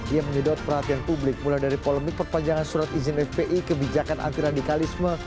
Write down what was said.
ia menyedot perhatian publik mulai dari polemik perpanjangan surat izin fpi kebijakan anti radikalisme